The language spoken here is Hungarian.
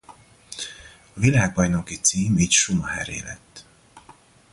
A világbajnoki cím így Schumacheré lett.